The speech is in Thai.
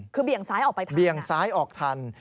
คือเบี่ยงซ้ายออกไปทันใช่แบบนี้